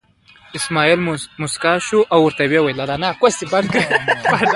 اسمعیل موسکی شو او ورته یې وویل.